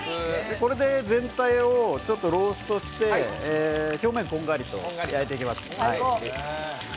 これで全体をローストして表面をこんがりと焼いていきます。